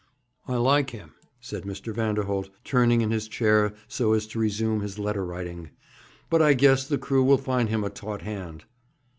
'I like him,' said Mr. Vanderholt, turning in his chair so as to resume his letter writing; 'but I guess the crew will find him a taut hand.'